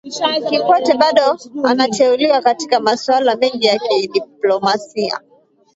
Kikwete bado anateuliwa katika masuala mengi ya kidiplomasia